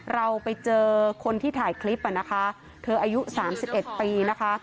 เราไปเจอคนที่ถ่ายคลิปอ่ะนะคะเธออายุสามสิบเอ็ดปีนะคะ